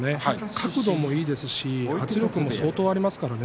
角度もいいですし圧力も相当ありますからね。